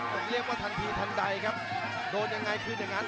เรียกว่าทันทีทันใดครับโดนยังไงคืนอย่างนั้น